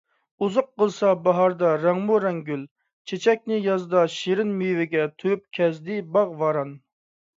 ئۇزۇق قىلسا باھاردا رەڭمۇرەڭ گۈل - چېچەكنى، يازدا شېرىن مېۋىگە تويۇپ كەزدى باغ - ۋاران.